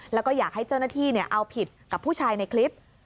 แล้วก็อยากให้เจ้าหน้าที่เอาผิดกับผู้ชายในคลิป